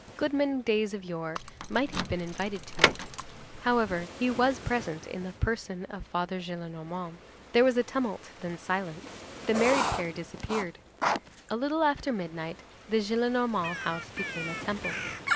Goodman Days of Yore might have been invited to it. However, he was present in the person of Father Gillenormand. There was a tumult, then silence. The married pair disappeared. A little after midnight, the Gillenormand house became a temple.